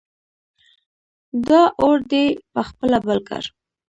دا اور دې په خپله بل کړ!